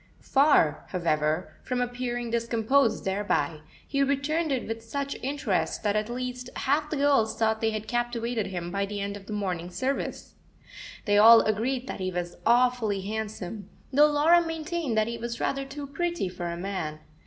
Far, however, from appearing discomposed thereby, he returned it with such interest that at least half the girls thought they had captivated him by the end of the morning service. They all agreed that he was awfully handsome, though Laura maintained that he was rather too pretty for a man.